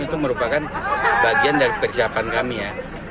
itu merupakan bagian dari persiapan kami ya